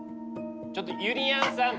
ちょっとゆりやんさん。